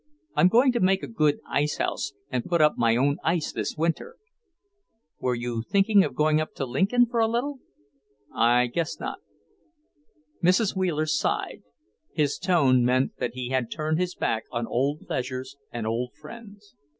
I'm going to make a good ice house and put up my own ice this winter." "Were you thinking of going up to Lincoln, for a little?" "I guess not." Mrs. Wheeler sighed. His tone meant that he had turned his back on old pleasures and old friends.